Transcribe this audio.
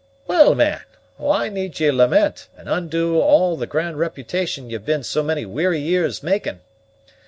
"Well, man, why need ye lament, and undo all the grand reputation ye've been so many weary years making?